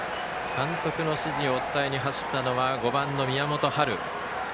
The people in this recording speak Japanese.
監督の指示を伝えに走ったのは５番の宮本青空。